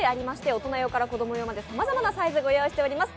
大人用から子供用までさまざまなサイズ御用意しています。